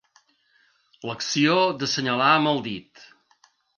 L'acció d'assenyalar amb el dit.